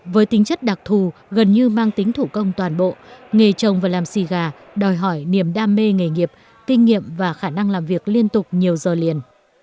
với tính chất đặc thù gần như mang tính thủ công toàn bộ nghề trồng và làm xì gà đòi hỏi niềm đam mê nghề nghiệp kinh nghiệm và khả năng làm việc liên tục nhiều giờ liền